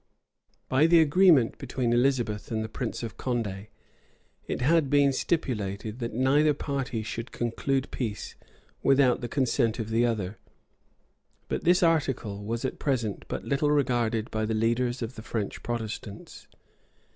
By the agreement between Elizabeth and the prince of Condé, it had been stipulated,[*] that neither party should conclude peace without the consent of the other; but this article was at present but little regarded by the leaders of the French Protestants.